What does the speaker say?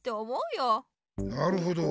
なるほど。